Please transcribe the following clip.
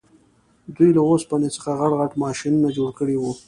دوی له اوسپنې څخه غټ غټ ماشینونه جوړ کړي وو